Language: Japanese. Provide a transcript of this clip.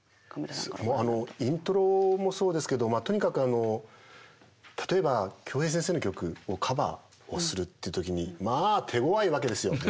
もうあのイントロもそうですけどまあとにかくあの例えば京平先生の曲をカバーをするって時にまあ手ごわいわけですよ。